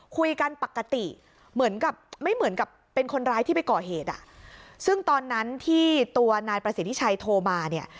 คุยกันปกติเหมือนกับไม่เหมือนกับเป็นคนร้ายที่ไปก่อเหตุอ่ะซึ่งตอนนั้นที่ตัวนายประสิทธิชัยโทรมาเนี่ย